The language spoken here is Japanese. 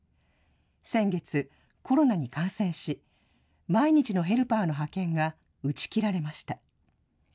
先月、コロナに感染し、毎日のヘルパーの派遣が打ち切られました。